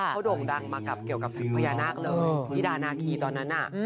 เขาโด่งดังมากับเกี่ยวกับพญานาคเลยนิดานาคีตอนนั้นน่ะ